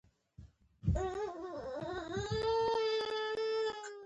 مورفیم پر دوه ډوله دئ.